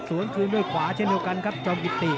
คืนด้วยขวาเช่นเดียวกันครับจอมกิติ